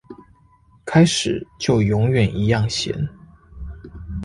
開始就永遠一樣鹹